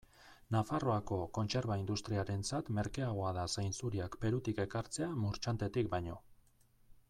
Nafarroako kontserba industriarentzat merkeagoa da zainzuriak Perutik ekartzea Murchantetik baino.